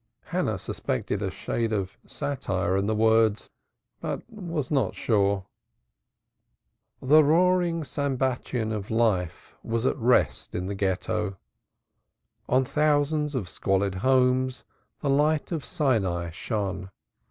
Hannah suspected a shade of satire in the words, but was not sure. The roaring Sambatyon of life was at rest in the Ghetto; on thousands of squalid homes the light of Sinai shone.